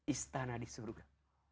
istana di surga